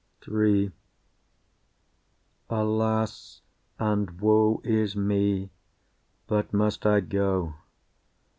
III Alas! and woe is me. But must I go?